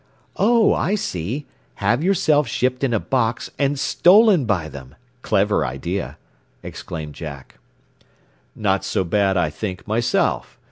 "Oh, I see! Have yourself shipped in a box, and 'stolen' by them! Clever idea," exclaimed Jack. "Not so bad I think, myself.